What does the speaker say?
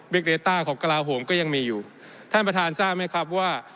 เดต้าของกระลาโหมก็ยังมีอยู่ท่านประธานทราบไหมครับว่า